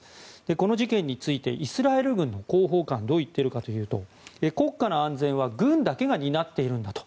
この事件についてイスラエル軍の広報官はどう言っているかというと国家の安全は軍だけが担っているんだと。